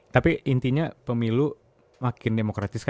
tapi intinya pemilu makin demokratis